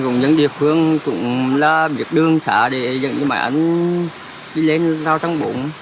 công nhân địa phương cũng là việc đường xả để dẫn cho mài ảnh đi lên rào trang bốn